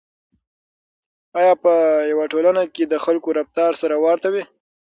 آیا په یوه ټولنه کې د خلکو رفتار سره ورته وي؟